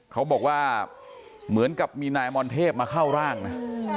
เขาบอกว่าเหมือนกับมีนายมรเทพมาเข้าร่างนะ